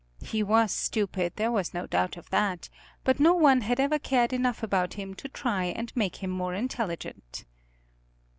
He was stupid, there was no doubt of that, but no one had ever cared enough about him to try and make him more intelligent.